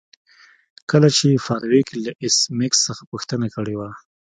کله چې فارویک له ایس میکس څخه پوښتنه کړې وه